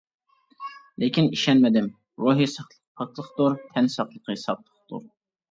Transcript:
لېكىن ئىشەنمىدىم. روھى ساقلىق پاكلىقتۇر، تەن ساقلىقى ساقلىقتۇر.